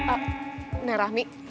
ah nek rahmi